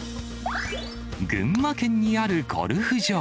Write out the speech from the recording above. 群馬県にあるゴルフ場。